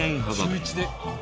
週１で？